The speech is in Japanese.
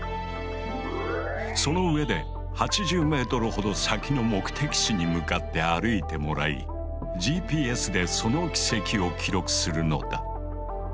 そのうえで８０ｍほど先の目的地に向かって歩いてもらいＧＰＳでその軌跡を記録するのだ。